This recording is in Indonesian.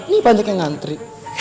ini banyak yang ngantri